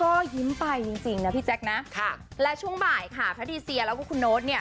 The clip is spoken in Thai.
ก็ยิ้มไปจริงจริงนะพี่แจ๊คนะค่ะและช่วงบ่ายค่ะแพทดีเซียแล้วก็คุณโน๊ตเนี่ย